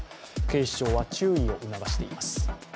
警視庁は注意を促しています。